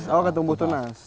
oh akan tumbuh tunas